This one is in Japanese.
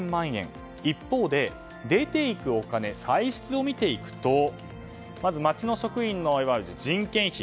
一方で、出て行くお金歳出を見ていくと町の職員の場合は人件費